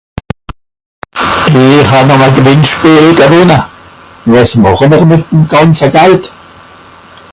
er hànn àm à gewìnnschpeel gewìnne wàs màchen'r mìt'm gànze gald